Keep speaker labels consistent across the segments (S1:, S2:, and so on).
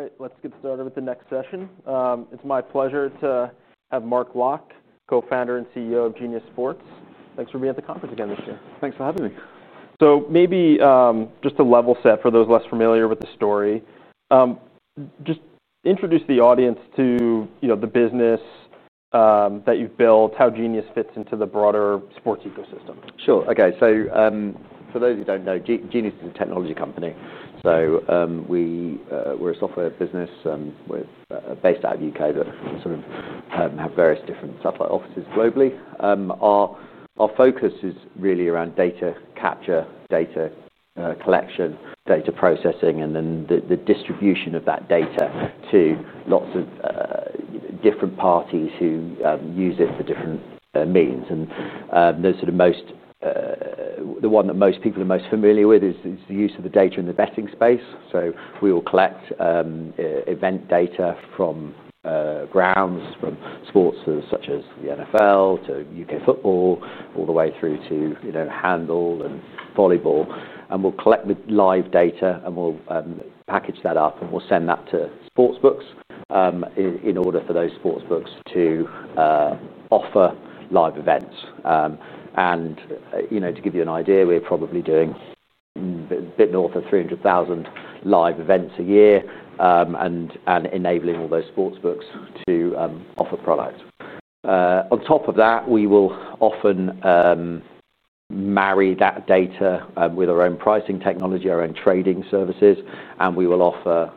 S1: All right, let's get started with the next session. It's my pleasure to have Mark Locke, Co-Founder and CEO of Genius Sports. Thanks for being at the conference again this year.
S2: Thanks for having me.
S1: To level set for those less familiar with the story, just introduce the audience to the business that you've built, how Genius fits into the broader sports ecosystem.
S2: Sure. Okay. For those who don't know, Genius Sports is a technology company. We're a software business, we're based out of the U.K., but we have various different software offices globally. Our focus is really around data capture, data collection, data processing, and then the distribution of that data to lots of different parties who use it for different means. The one that most people are most familiar with is the use of the data in the betting space. We will collect event data from grounds, from sports such as the NFL to U.K. football, all the way through to handball and volleyball. We'll collect the live data and we'll package that up and send that to sportsbooks in order for those sportsbooks to offer live events. To give you an idea, we're probably doing a bit north of 300,000 live events a year and enabling all those sportsbooks to offer product. On top of that, we will often marry that data with our own pricing technology, our own trading services, and we will offer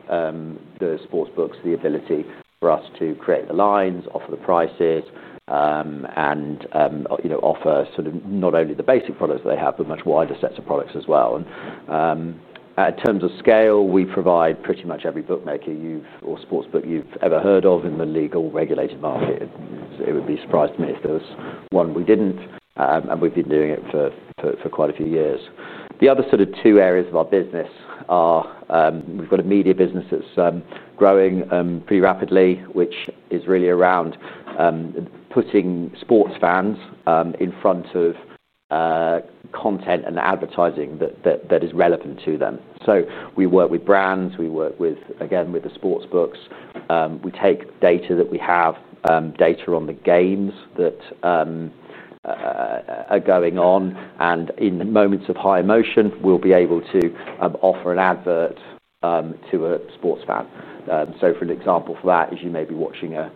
S2: the sportsbooks the ability for us to create the lines, offer the prices, and offer not only the basic products that they have, but much wider sets of products as well. In terms of scale, we provide pretty much every bookmaker or sportsbook you've ever heard of in the legal regulated market. It would be a surprise to me if there was one we didn't. We've been doing it for quite a few years. The other two areas of our business are, we've got a media business that's growing pretty rapidly, which is really around putting sports fans in front of content and advertising that is relevant to them. We work with brands, we work with, again, with the sportsbooks. We take data that we have, data on the games that are going on, and in the moments of high emotion, we'll be able to offer an advert to a sports fan. For an example for that is you may be watching a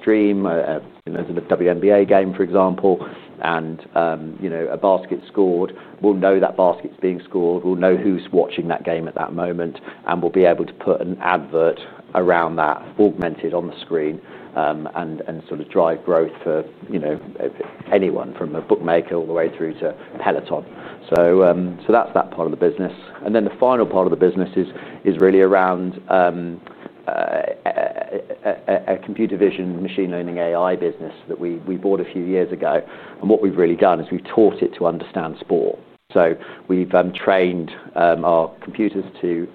S2: stream, a WNBA game, for example, and a basket's scored. We'll know that basket's being scored. We'll know who's watching that game at that moment, and we'll be able to put an advert around that, augmented on the screen, and drive growth for anyone from a bookmaker all the way through to Peloton. That's that part of the business. The final part of the business is really around a computer vision, machine learning, AI business that we bought a few years ago. What we've really done is we've taught it to understand sport. We've trained our computers to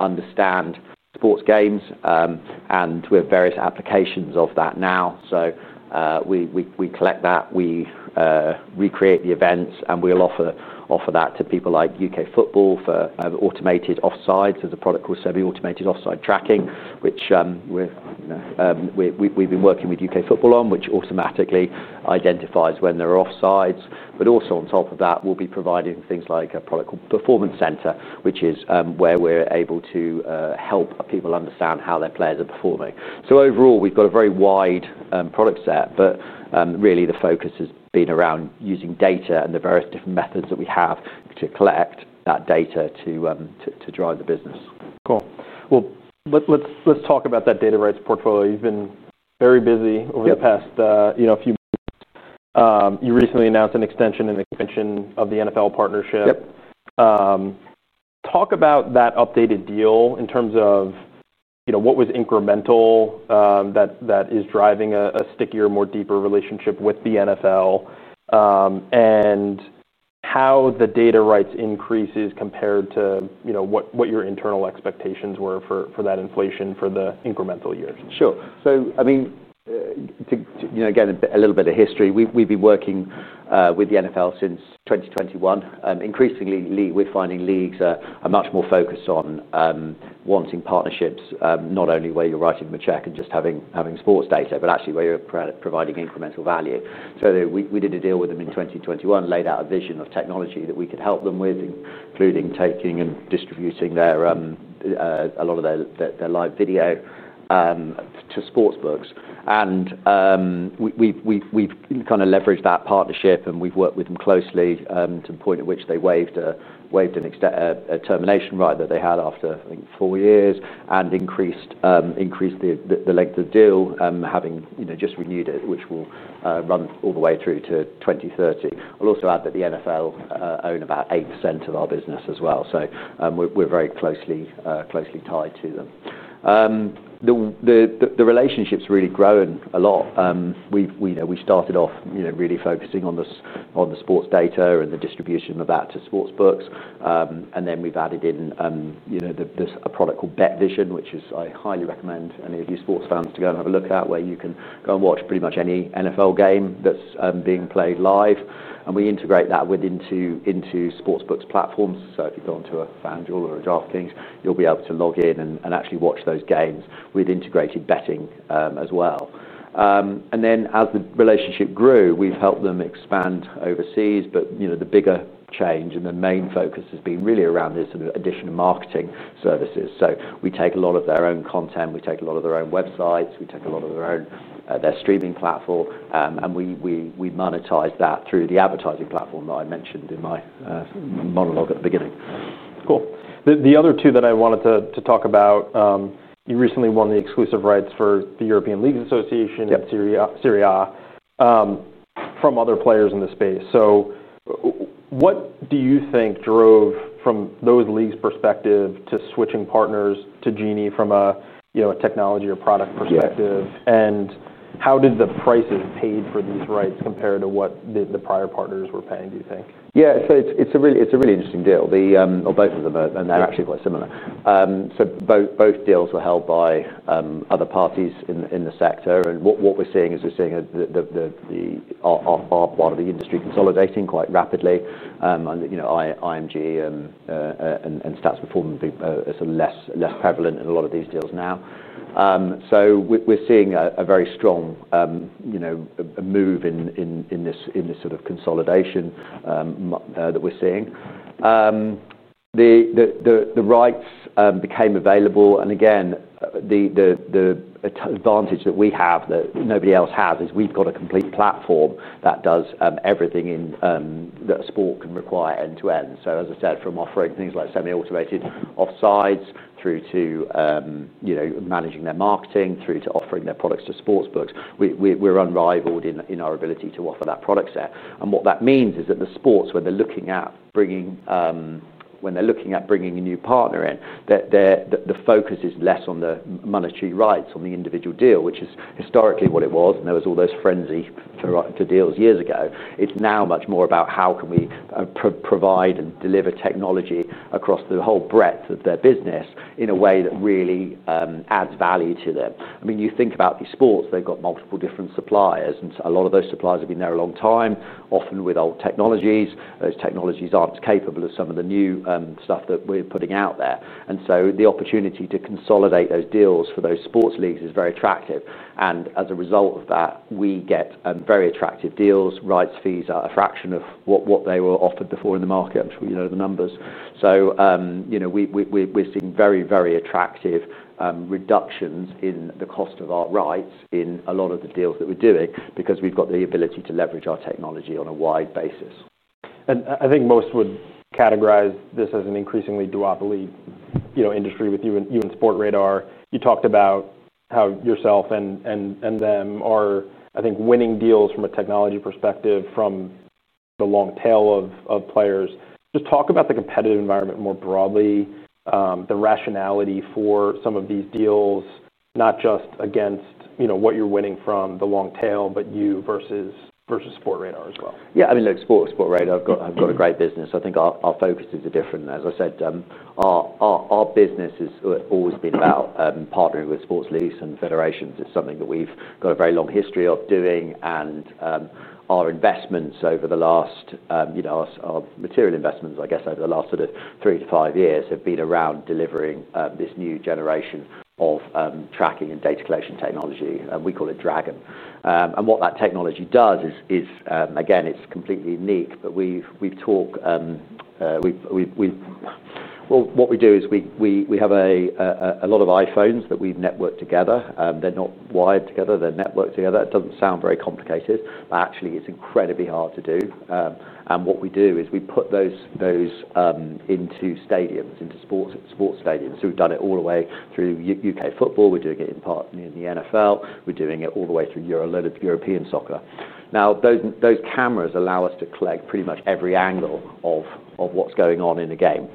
S2: understand sports games, and we have various applications of that now. We collect that, we recreate the events, and we offer that to people like U.K. football for automated offsides. There's a product called Semi-Automated Offside Technology, which we've been working with U.K. football on, which automatically identifies when there are offsides. Also, on top of that, we'll be providing things like a product called Performance Center, which is where we're able to help people understand how their players are performing. Overall, we've got a very wide product set, but really the focus has been around using data and the various different methods that we have to collect that data to drive the business.
S1: Cool. Let's talk about that data rights portfolio. You've been very busy over the past few months. You recently announced an extension of the NFL partnership. Yep. Talk about that updated deal in terms of what was incremental, that is driving a stickier, more deeper relationship with the NFL, and how the data rights increases compared to what your internal expectations were for that inflation for the incremental years.
S2: Sure. To give a little bit of history, we've been working with the NFL since 2021. Increasingly, we're finding leagues are much more focused on wanting partnerships, not only where you're writing them a check and just having sports data, but actually where you're providing incremental value. We did a deal with them in 2021, laid out a vision of technology that we could help them with, including taking and distributing a lot of their live video to sportsbooks. We've kind of leveraged that partnership and we've worked with them closely to the point at which they waived a termination right that they had after, I think, four years and increased the length of the deal, having just renewed it, which will run all the way through to 2030. I'll also add that the NFL own about 80% of our business as well, so we're very closely tied to them. The relationship's really grown a lot. We started off really focusing on the sports data and the distribution of that to sportsbooks, and then we've added in a product called BetVision, which I highly recommend any of you sports fans to go and have a look at, where you can go and watch pretty much any NFL game that's being played live. We integrate that into sportsbooks platforms, so if you go onto a FanDuel or a DraftKings, you'll be able to log in and actually watch those games with integrated betting as well. As the relationship grew, we've helped them expand overseas, but the bigger change and the main focus has been really around this sort of additional marketing services. We take a lot of their own content, we take a lot of their own websites, we take a lot of their own streaming platform, and we monetize that through the advertising platform that I mentioned in my monologue at the beginning.
S1: Cool. The other two that I wanted to talk about, you recently won the exclusive rights for the European Leagues Association, Serie A, from other players in the space. What do you think drove from those leagues' perspective to switching partners to Genius from a, you know, a technology or product perspective? How did the prices paid for these rights compare to what the prior partners were paying, do you think?
S2: Yeah, so it's a really interesting deal. Both of them are actually quite similar. Both deals were held by other parties in the sector. We're seeing our part of the industry consolidating quite rapidly. You know, IMG and Stats Perform are less prevalent in a lot of these deals now. We're seeing a very strong move in this sort of consolidation that we're seeing. The rights became available. The advantage that we have that nobody else has is we've got a complete platform that does everything that a sport can require end-to-end. As I said, from offering things like Semi-Automated Offside Technology through to managing their marketing, through to offering their products to sportsbooks, we're unrivaled in our ability to offer that product set. What that means is that the sports, when they're looking at bringing a new partner in, the focus is less on the monetary rights on the individual deal, which is historically what it was. There was all this frenzy for deals years ago. It's now much more about how can we provide and deliver technology across the whole breadth of their business in a way that really adds value to them. I mean, you think about these sports, they've got multiple different suppliers, and a lot of those suppliers have been there a long time, often with old technologies. Those technologies aren't as capable as some of the new stuff that we're putting out there. The opportunity to consolidate those deals for those sports leagues is very attractive. As a result of that, we get very attractive deals. Rights fees are a fraction of what they were offered before in the market. I'm sure you know the numbers. We're seeing very attractive reductions in the cost of our rights in a lot of the deals that we're doing because we've got the ability to leverage our technology on a wide basis.
S1: I think most would categorize this as an increasingly duopoly industry with you and Sport Radar. You talked about how yourself and them are, I think, winning deals from a technology perspective from the long tail of players. Just talk about the competitive environment more broadly, the rationality for some of these deals, not just against what you're winning from the long tail, but you versus Sport Radar as well.
S2: Yeah, I mean, like Sport Radar, they've got a great business. I think our focuses are different. As I said, our business has always been about partnering with sports leagues and federations. It's something that we've got a very long history of doing. Our material investments, I guess, over the last sort of three to five years have been around delivering this new generation of tracking and data collection technology. We call it Dragon. What that technology does is, again, it's completely unique, but we've talked, well, what we do is we have a lot of iPhones that we've networked together. They're not wired together. They're networked together. It doesn't sound very complicated, but actually, it's incredibly hard to do. What we do is we put those into stadiums, into sports stadiums. We've done it all the way through U.K. football. We're doing it in part in the NFL. We're doing it all the way through European soccer. Now, those cameras allow us to collect pretty much every angle of what's going on in a game.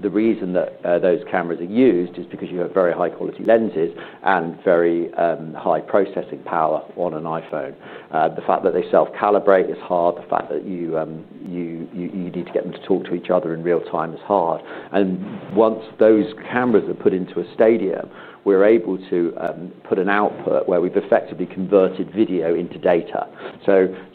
S2: The reason that those cameras are used is because you have very high quality lenses and very high processing power on an iPhone. The fact that they self-calibrate is hard. The fact that you need to get them to talk to each other in real time is hard. Once those cameras are put into a stadium, we're able to put an output where we've effectively converted video into data.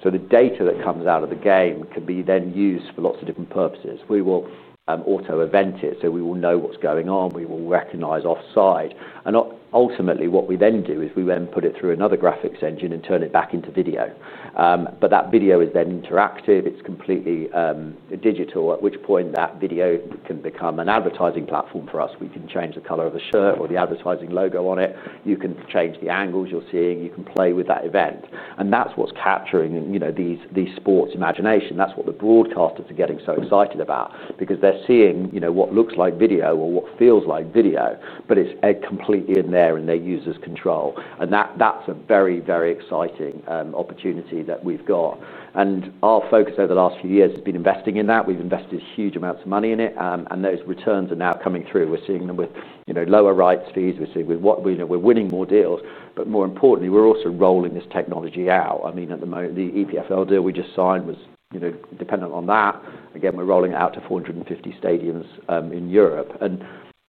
S2: The data that comes out of the game can then be used for lots of different purposes. We will auto-event it, so we will know what's going on. We will recognize offside. Ultimately, what we then do is we put it through another graphics engine and turn it back into video. That video is then interactive. It's completely digital, at which point that video can become an advertising platform for us. We can change the color of a shirt or the advertising logo on it. You can change the angles you're seeing. You can play with that event. That's what's capturing these sports' imagination. That's what the broadcasters are getting so excited about because they're seeing what looks like video or what feels like video, but it's completely in their and their user's control. That's a very, very exciting opportunity that we've got. Our focus over the last few years has been investing in that. We've invested huge amounts of money in it, and those returns are now coming through. We're seeing them with lower rights fees. We're seeing we're winning more deals. More importantly, we're also rolling this technology out. At the moment, the European Leagues Association deal we just signed was dependent on that. We're rolling it out to 450 stadiums in Europe.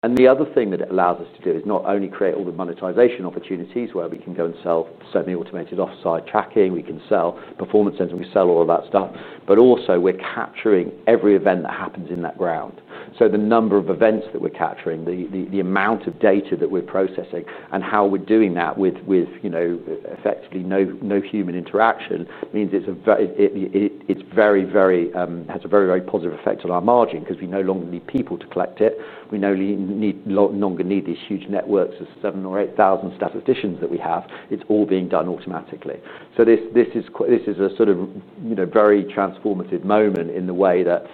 S2: The other thing that it allows us to do is not only create all the monetization opportunities where we can go and sell Semi-Automated Offside Technology, we can sell Performance Center, we can sell all of that stuff, but also we're capturing every event that happens in that ground. The number of events that we're capturing, the amount of data that we're processing, and how we're doing that with effectively no human interaction means it has a very, very positive effect on our margin because we no longer need people to collect it. We no longer need these huge networks of 7,000 or 8,000 statisticians that we have. It's all being done automatically. This is a very transformative moment in the way that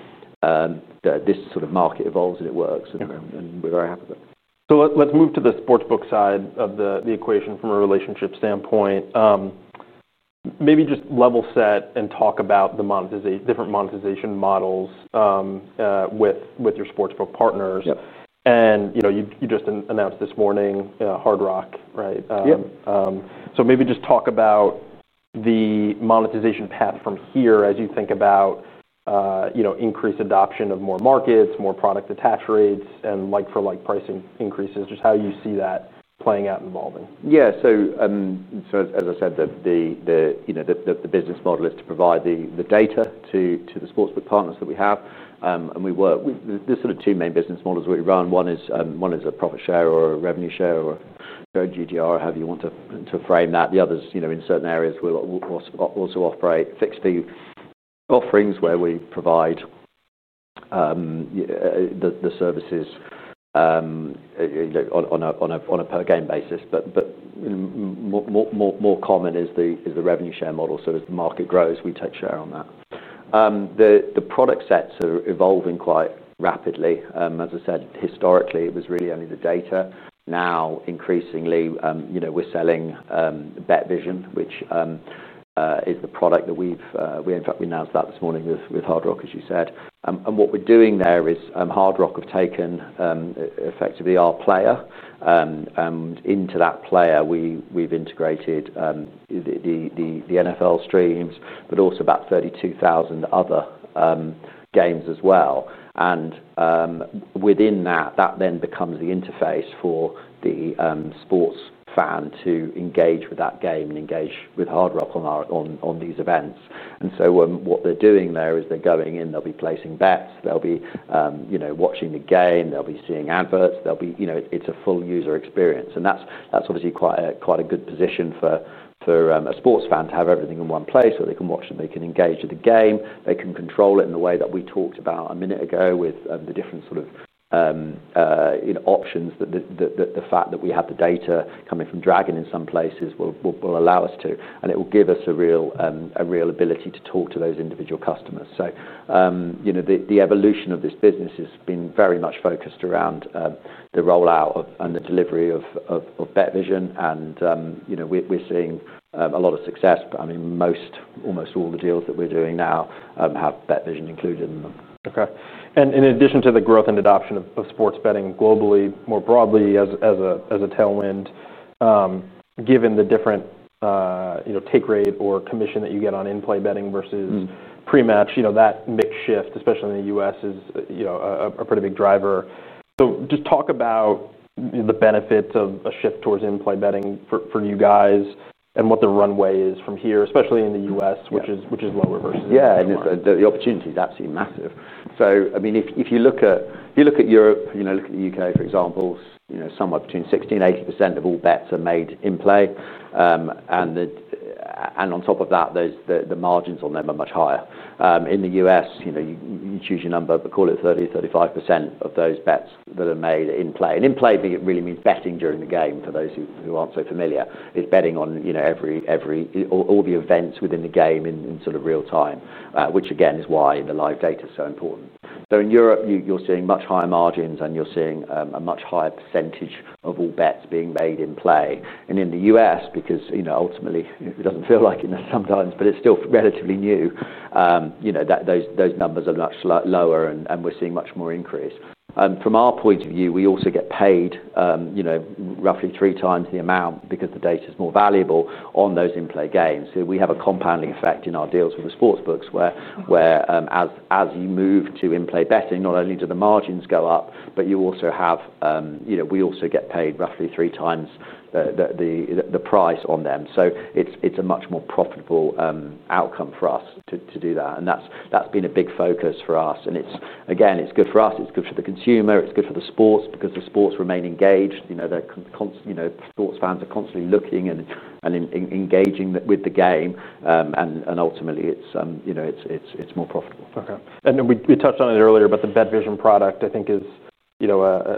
S2: this sort of market evolves and it works, and we're very happy with it.
S1: Let's move to the sportsbook side of the equation from a relationship standpoint. Maybe just level set and talk about the different monetization models with your sportsbook partners.
S2: Yep.
S1: You just announced this morning, Hard Rock, right?
S2: Yep.
S1: Maybe just talk about the monetization path from here as you think about increased adoption of more markets, more product attach rates, and like for like pricing increases, just how you see that playing out and evolving.
S2: Yeah. As I said, the business model is to provide the data to the sportsbook partners that we have. We work, there's sort of two main business models we run. One is a profit share or a revenue share or GDR, however you want to frame that. The other is, in certain areas, we'll also operate fixed fee offerings where we provide the services on a per game basis. More common is the revenue share model. As the market grows, we take share on that. The product sets are evolving quite rapidly. As I said, historically, it was really only the data. Now, increasingly, we're selling BetVision, which is the product that we've announced this morning with Hard Rock, as you said. What we're doing there is, Hard Rock have taken, effectively, our player. Into that player, we've integrated the NFL streams, but also about 32,000 other games as well. Within that, that then becomes the interface for the sports fan to engage with that game and engage with Hard Rock on these events. What they're doing there is they're going in, they'll be placing bets, they'll be watching the game, they'll be seeing adverts, it's a full user experience. That's obviously quite a good position for a sports fan to have everything in one place where they can watch and they can engage with the game. They can control it in the way that we talked about a minute ago with the different options. The fact that we have the data coming from Dragon in some places will allow us to, and it will give us a real ability to talk to those individual customers. The evolution of this business has been very much focused around the rollout of and the delivery of BetVision. We're seeing a lot of success. Most, almost all the deals that we're doing now, have BetVision included in them.
S1: Okay. In addition to the growth and adoption of sports betting globally, more broadly as a tailwind, given the different, you know, take rate or commission that you get on in-play betting versus pre-match, that mix shift, especially in the U.S., is a pretty big driver. Just talk about the benefits of a shift towards in-play betting for you guys and what the runway is from here, especially in the U.S., which is lower versus Europe.
S2: Yeah, and the opportunity is absolutely massive. If you look at Europe, you know, look at the U.K., for example, somewhere between 60% and 80% of all bets are made in-play. On top of that, the margins on them are much higher. In the U.S., you choose your number, but call it 30% to 35% of those bets that are made in-play. In-play really means betting during the game for those who aren't so familiar. It's betting on every event within the game in real time, which again is why the live data is so important. In Europe, you're seeing much higher margins and a much higher percentage of all bets being made in-play. In the U.S., because ultimately, it doesn't feel like it sometimes, but it's still relatively new, those numbers are much lower and we're seeing much more increase. From our point of view, we also get paid roughly three times the amount because the data is more valuable on those in-play games. We have a compounding effect in our deals with the sportsbooks where, as you move to in-play betting, not only do the margins go up, but we also get paid roughly three times the price on them. It's a much more profitable outcome for us to do that. That's been a big focus for us. It's good for us, it's good for the consumer, it's good for the sports because the sports remain engaged. Sports fans are constantly looking and engaging with the game, and ultimately, it's more profitable.
S1: Okay. We touched on it earlier, but the BetVision product, I think, is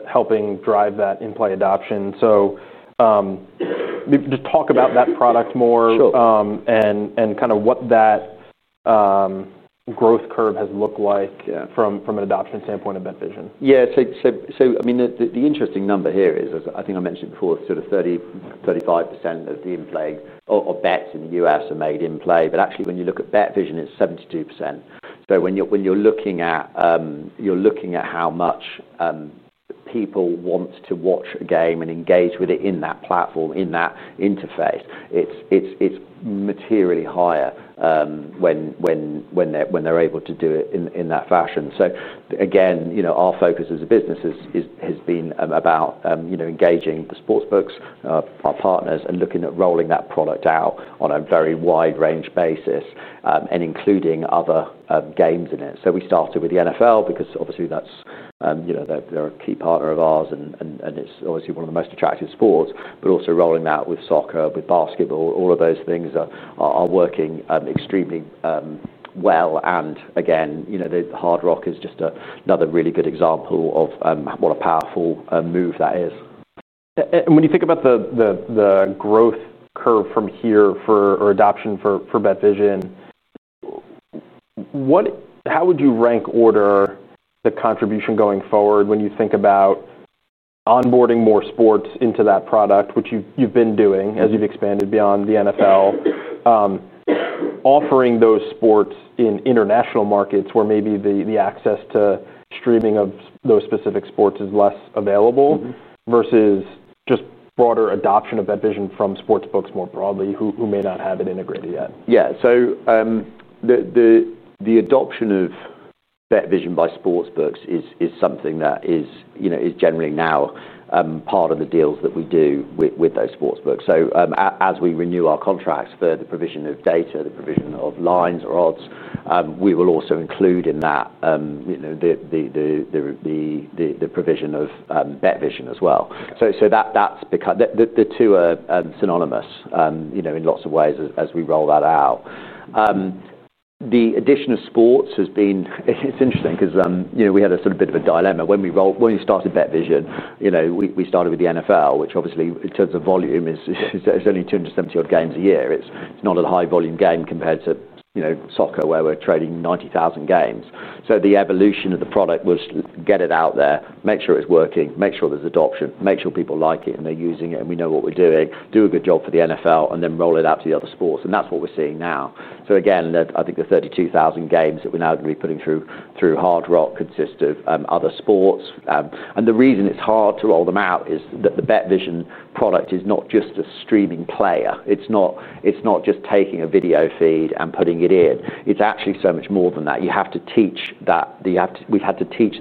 S1: helping drive that in-play adoption. Maybe just talk about that product more.
S2: Sure.
S1: What that growth curve has looked like from an adoption standpoint of BetVision.
S2: The interesting number here is, as I think I mentioned before, sort of 30 to 35% of the in-play or bets in the U.S. are made in-play. When you look at BetVision, it's 72%. When you're looking at how much people want to watch a game and engage with it in that platform, in that interface, it's materially higher when they're able to do it in that fashion. Again, our focus as a business has been about engaging the sportsbooks, our partners, and looking at rolling that product out on a very wide range basis, and including other games in it. We started with the NFL because obviously that's a key partner of ours and it's obviously one of the most attractive sports, but also rolling that out with soccer, with basketball, all of those things are working extremely well. The Hard Rock is just another really good example of what a powerful move that is.
S1: When you think about the growth curve from here for adoption for BetVision, how would you rank order the contribution going forward when you think about onboarding more sports into that product, which you've been doing as you've expanded beyond the NFL, offering those sports in international markets where maybe the access to streaming of those specific sports is less available versus just broader adoption of BetVision from sportsbooks more broadly who may not have it integrated yet?
S2: Yeah. The adoption of BetVision by sportsbooks is something that is generally now part of the deals that we do with those sportsbooks. As we renew our contracts for the provision of data, the provision of lines or odds, we will also include in that the provision of BetVision as well. That's because the two are synonymous in lots of ways as we roll that out. The addition of sports has been interesting because we had a sort of bit of a dilemma when we started BetVision. We started with the NFL, which obviously in terms of volume is only 270 odd games a year. It's not a high volume game compared to soccer where we're trading 90,000 games. The evolution of the product was get it out there, make sure it's working, make sure there's adoption, make sure people like it and they're using it and we know what we're doing, do a good job for the NFL and then roll it out to the other sports. That's what we're seeing now. I think the 32,000 games that we're now going to be putting through Hard Rock consist of other sports. The reason it's hard to roll them out is that the BetVision product is not just a streaming player. It's not just taking a video feed and putting it in. It's actually so much more than that. We've had to teach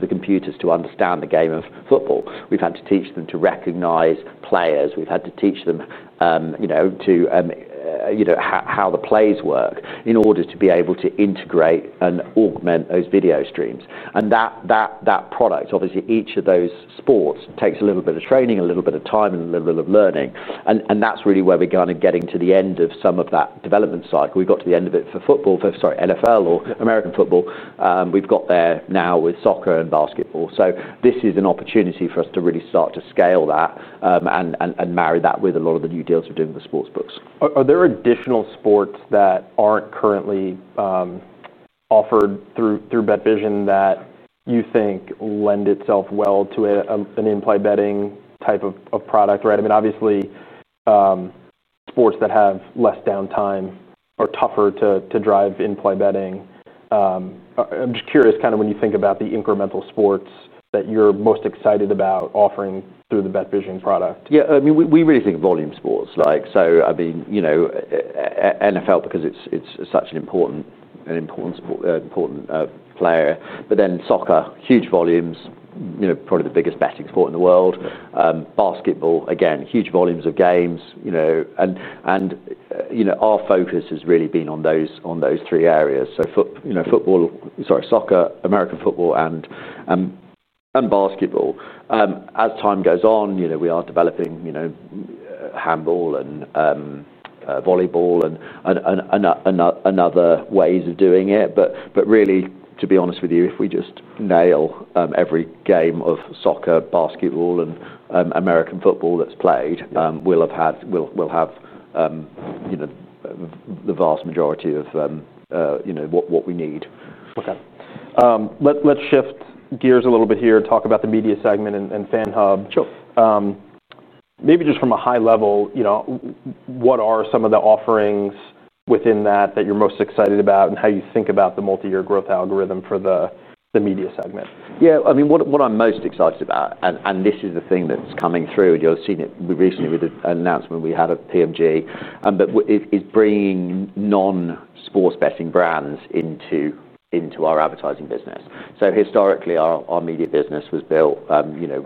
S2: the computers to understand the game of football. We've had to teach them to recognize players. We've had to teach them how the plays work in order to be able to integrate and augment those video streams. That product, obviously, each of those sports takes a little bit of training, a little bit of time, and a little bit of learning. That's really where we're going to get into the end of some of that development cycle. We've got to the end of it for football, for NFL or American football. We've got there now with soccer and basketball. This is an opportunity for us to really start to scale that and marry that with a lot of the new deals we're doing with the sportsbooks.
S1: Are there additional sports that aren't currently offered through BetVision that you think lend itself well to an in-play betting type of product? I mean, obviously, sports that have less downtime are tougher to drive in-play betting. I'm just curious, kind of when you think about the incremental sports that you're most excited about offering through the BetVision product.
S2: Yeah, I mean, we really think of volume sports, like, so I mean, you know, NFL because it's such an important sport, an important player. Then soccer, huge volumes, you know, probably the biggest betting sport in the world. Basketball, again, huge volumes of games, you know, and our focus has really been on those three areas. You know, football, sorry, soccer, American football, and basketball. As time goes on, we are developing, you know, handball and volleyball and other ways of doing it. Really, to be honest with you, if we just nail every game of soccer, basketball, and American football that's played, we'll have, you know, the vast majority of what we need.
S1: Okay. Let's shift gears a little bit here and talk about the media segment and FanHub.
S2: Sure.
S1: Maybe just from a high level, what are some of the offerings within that that you're most excited about, and how you think about the multi-year growth algorithm for the media segment?
S2: Yeah, what I'm most excited about, and this is the thing that's coming through, you'll have seen it recently with an announcement we had at PMG, it's bringing non-sports betting brands into our advertising business. Historically, our media business was built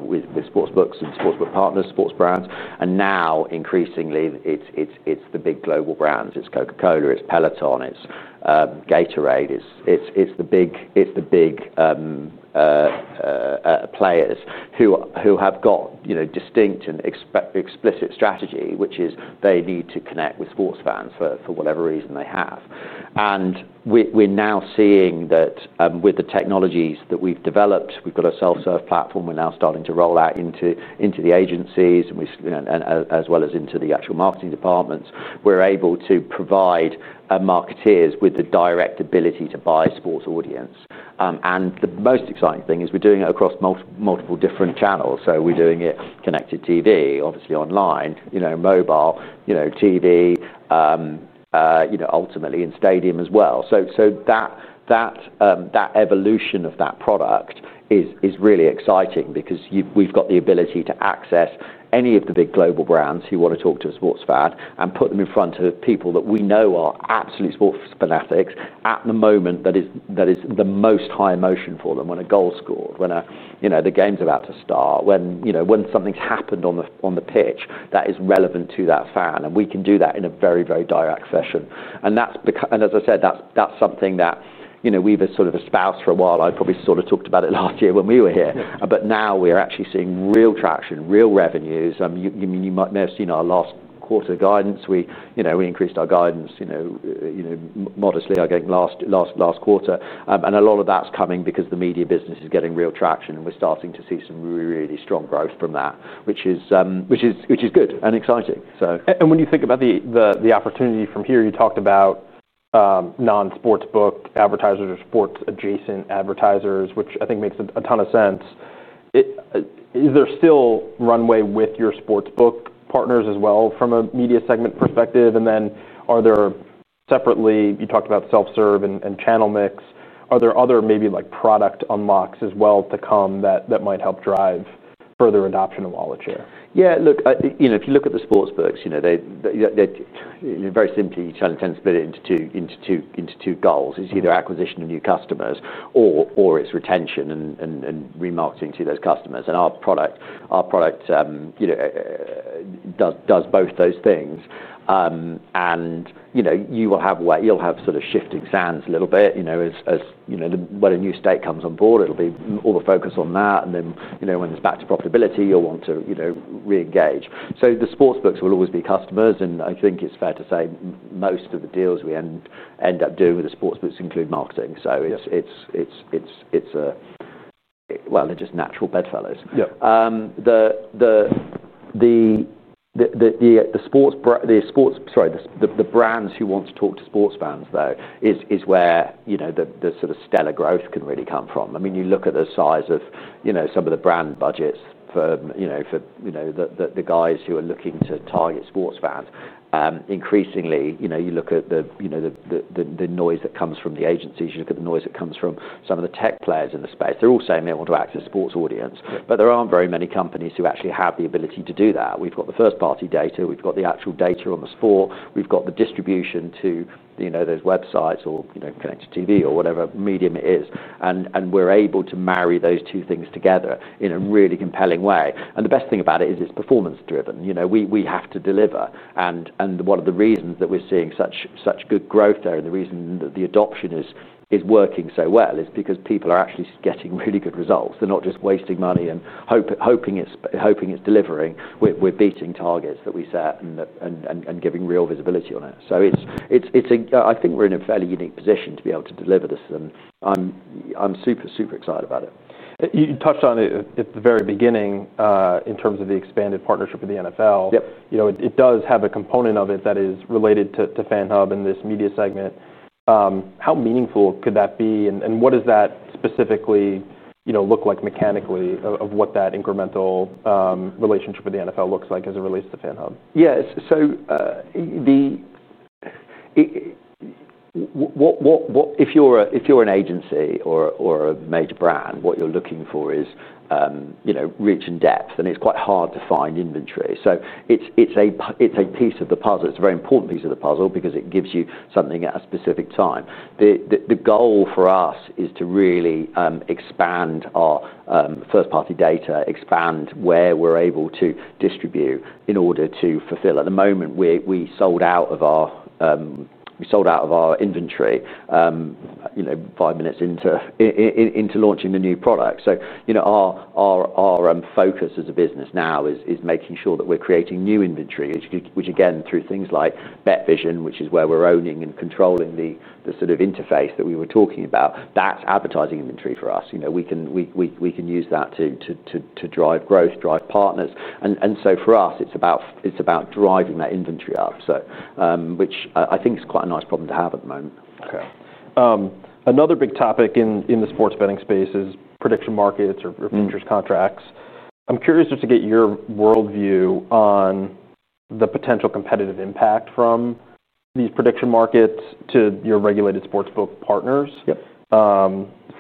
S2: with sportsbooks and sportsbook partners, sports brands. Now, increasingly, it's the big global brands. It's Coca-Cola, it's Peloton, it's Gatorade, it's the big players who have got a distinct and explicit strategy, which is they need to connect with sports fans for whatever reason they have. We're now seeing that, with the technologies that we've developed, we've got a self-serve platform. We're now starting to roll out into the agencies and, as well as into the actual marketing departments, we're able to provide our marketers with the direct ability to buy a sports audience. The most exciting thing is we're doing it across multiple different channels. We're doing it connected TV, obviously online, mobile, TV, ultimately in stadium as well. That evolution of that product is really exciting because we've got the ability to access any of the big global brands who want to talk to a sports fan and put them in front of people that we know are absolute sports fanatics at the moment that is the most high emotion for them, when a goal is scored, when the game's about to start, when something's happened on the pitch that is relevant to that fan. We can do that in a very, very direct fashion. That's because, as I said, that's something that we've sort of espoused for a while. I probably sort of talked about it last year when we were here. Now we are actually seeing real traction, real revenues. You might have seen our last quarter guidance. We increased our guidance modestly I think last quarter. A lot of that's coming because the media business is getting real traction and we're starting to see some really strong growth from that, which is good and exciting.
S1: When you think about the opportunity from here, you talked about non-sportsbook advertisers, sports-adjacent advertisers, which I think makes a ton of sense. Is there still runway with your sportsbook partners as well from a media segment perspective? You talked about self-serve and channel mix. Are there other maybe like product unlocks as well to come that might help drive further adoption and wallet share?
S2: Yeah, look, if you look at the sportsbooks, they very simply tend to split it into two goals. It's either acquisition of new customers or it's retention and remarketing to those customers. Our product does both those things. You will have sort of shifting sands a little bit, as you know, when a new state comes on board, it'll be all the focus on that. When it's back to profitability, you'll want to re-engage. The sportsbooks will always be customers. I think it's fair to say most of the deals we end up doing with the sportsbooks include marketing. It's a, well, they're just natural bedfellows.
S1: Yeah.
S2: The sports brands who want to talk to sports fans though is where, you know, the sort of stellar growth can really come from. I mean, you look at the size of, you know, some of the brand budgets for, you know, the guys who are looking to target sports fans. Increasingly, you know, you look at the noise that comes from the agencies. You look at the noise that comes from some of the tech players in the space. They're all saying they want to access a sports audience. There aren't very many companies who actually have the ability to do that. We've got the first-party data. We've got the actual data on the sport. We've got the distribution to, you know, those websites or, you know, connected TV or whatever medium it is. We're able to marry those two things together in a really compelling way. The best thing about it is it's performance-driven. You know, we have to deliver. One of the reasons that we're seeing such good growth there and the reason that the adoption is working so well is because people are actually getting really good results. They're not just wasting money and hoping it's delivering. We're beating targets that we set and giving real visibility on it. It's a, I think we're in a fairly unique position to be able to deliver this. I'm super, super excited about it.
S1: You touched on it at the very beginning, in terms of the expanded partnership with the NFL.
S2: Yep.
S1: It does have a component of it that is related to FanHub and this media segment. How meaningful could that be, and what does that specifically look like mechanically, what that incremental relationship with the NFL looks like as it relates to FanHub?
S2: Yeah, if you're an agency or a major brand, what you're looking for is, you know, reaching depth. It's quite hard to find inventory. It's a piece of the puzzle. It's a very important piece of the puzzle because it gives you something at a specific time. The goal for us is to really expand our first-party data, expand where we're able to distribute in order to fulfill. At the moment, we sold out of our inventory five minutes into launching a new product. Our focus as a business now is making sure that we're creating new inventory, which again, through things like BetVision, where we're owning and controlling the sort of interface that we were talking about, that's advertising inventory for us. We can use that to drive growth, drive partners. For us, it's about driving that inventory up, which I think is quite a nice problem to have at the moment.
S1: Okay. Another big topic in the sports betting space is prediction markets or futures contracts. I'm curious just to get your worldview on the potential competitive impact from these prediction markets to your regulated sportsbook partners.
S2: Yep.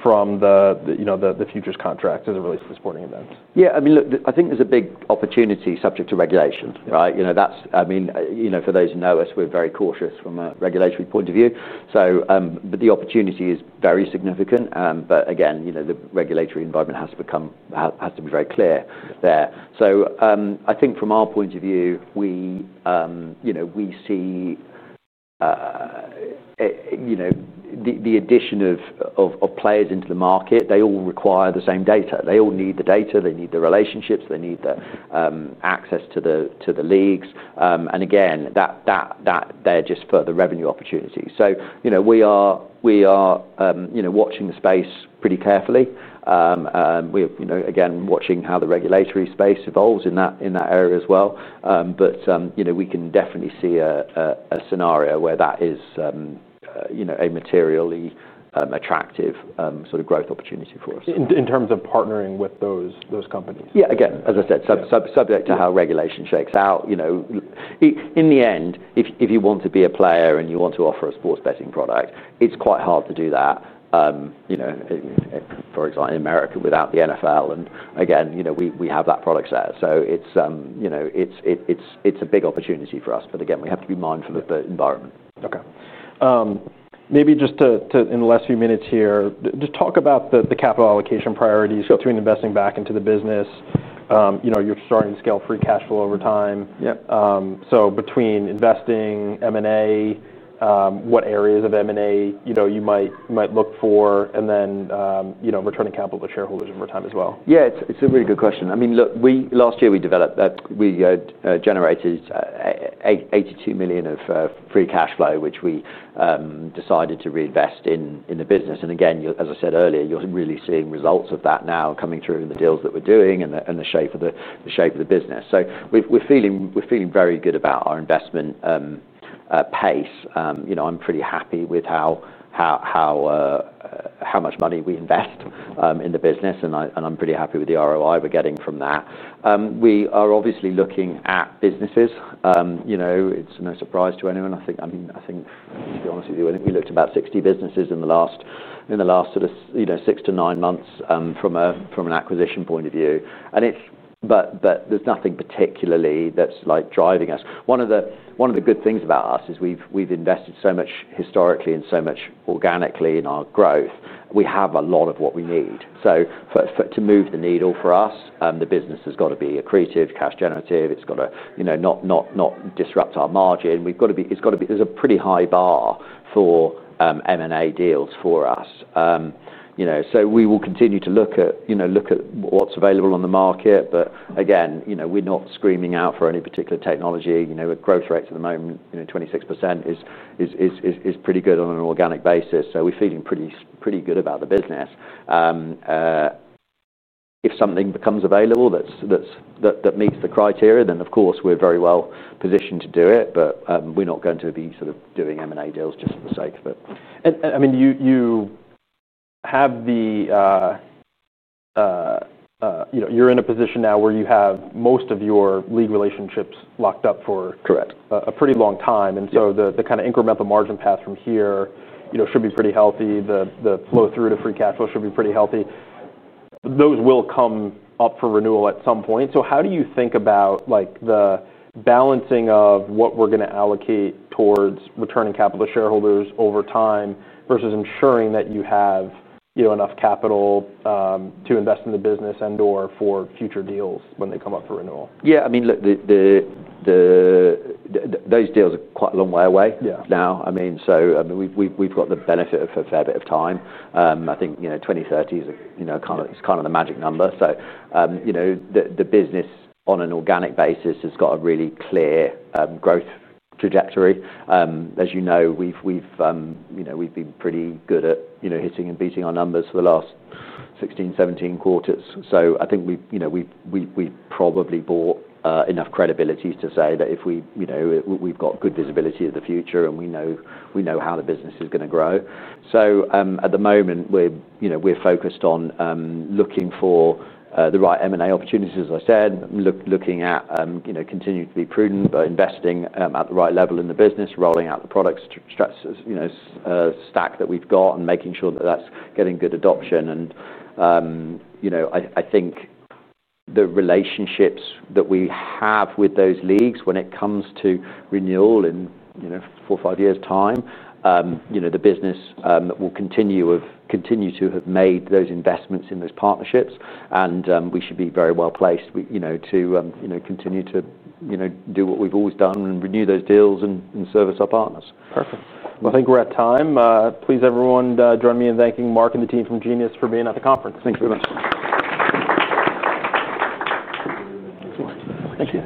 S1: from the futures contracts as it relates to sporting events.
S2: Yeah, I mean, look, I think there's a big opportunity subject to regulation, right? You know, for those who know us, we're very cautious from a regulatory point of view. The opportunity is very significant. Again, the regulatory environment has to be very clear there. I think from our point of view, we see the addition of players into the market, they all require the same data. They all need the data. They need the relationships. They need the access to the leagues. Again, that's just for the revenue opportunities. We are watching the space pretty carefully. We are watching how the regulatory space evolves in that area as well. We can definitely see a scenario where that is a materially attractive sort of growth opportunity for us.
S1: In terms of partnering with those companies.
S2: Yeah, again, as I said, subject to how regulation shakes out, you know, in the end, if you want to be a player and you want to offer a sports betting product, it's quite hard to do that, you know, for example, in the U.S. without the NFL. We have that product set, so it's a big opportunity for us. We have to be mindful of the environment.
S1: Okay. Maybe just to, in the last few minutes here, just talk about the capital allocation priorities between investing back into the business. You know, you're starting to scale free cash flow over time.
S2: Yeah.
S1: Between investing, M&A, what areas of M&A you might look for, and then returning capital to shareholders over time as well.
S2: Yeah, it's a really good question. I mean, look, last year we developed that we had generated $82 million of free cash flow, which we decided to reinvest in the business. Again, as I said earlier, you're really seeing results of that now coming through in the deals that we're doing and the shape of the business. We're feeling very good about our investment pace. I'm pretty happy with how much money we invest in the business, and I'm pretty happy with the ROI we're getting from that. We are obviously looking at businesses. It's no surprise to anyone. I think, to be honest with you, we looked at about 60 businesses in the last six to nine months from an acquisition point of view, but there's nothing particularly that's driving us. One of the good things about us is we've invested so much historically and so much organically in our growth. We have a lot of what we need. For us to move the needle, the business has got to be accretive, cash generative. It's got to not disrupt our margin. There's a pretty high bar for M&A deals for us. We will continue to look at what's available on the market. Again, we're not screaming out for any particular technology. Our growth rate at the moment, 26%, is pretty good on an organic basis. We're feeling pretty good about the business. If something becomes available that meets the criteria, then of course we're very well positioned to do it. We're not going to be doing M&A deals just for the sake of it.
S1: You have the, you know, you're in a position now where you have most of your league relationships locked up.
S2: Correct.
S1: A pretty long time. The kind of incremental margin path from here should be pretty healthy. The flow through to free cash flow should be pretty healthy. Those will come up for renewal at some point. How do you think about the balancing of what we're going to allocate towards returning capital to shareholders over time versus ensuring that you have enough capital to invest in the business and/or for future deals when they come up for renewal?
S2: Yeah, I mean, look, those deals are quite a long way away.
S1: Yeah.
S2: I mean, we've got the benefit of a fair bit of time. I think 2030 is kind of the magic number. The business on an organic basis has got a really clear growth trajectory. As you know, we've been pretty good at hitting and beating our numbers for the last 16, 17 quarters. I think we've probably bought enough credibility to say that we've got good visibility of the future and we know how the business is going to grow. At the moment, we're focused on looking for the right M&A opportunities, as I said, looking at continuing to be prudent by investing at the right level in the business, rolling out the products stack that we've got and making sure that that's getting good adoption. I think the relationships that we have with those leagues when it comes to renewal in four or five years' time, the business will continue to have made those investments in those partnerships. We should be very well placed to continue to do what we've always done and renew those deals and service our partners.
S1: Perfect. I think we're at time. Please, everyone, join me in thanking Mark and the team from Genius Sports for being at the conference. Thank you very much.